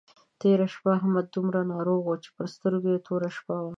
تېره شپه احمد دومره ناروغ وو چې پر سترګو يې توره شپه وه.